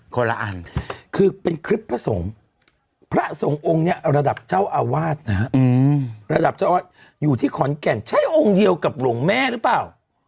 ละอันคือเป็นคลิปพระสงฆ์พระสงฆ์องค์เนี่ยระดับเจ้าอาวาสนะฮะระดับเจ้าอาวาสอยู่ที่ขอนแก่นใช่องค์เดียวกับหลวงแม่หรือเปล่า